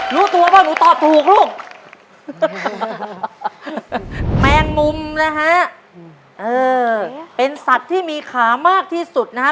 รู้ตัวว่าหนูตอบถูกลูกแมงมุมนะฮะเออเป็นสัตว์ที่มีขามากที่สุดนะฮะ